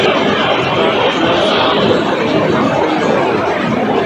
استاد ٿلهي سان ٽيڪ ڏئي درس ڏئي رهيو هو.